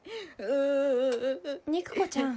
肉子ちゃん。